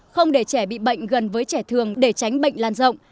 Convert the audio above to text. không để trẻ bị bệnh gần với trẻ thường để tránh bệnh lan rộng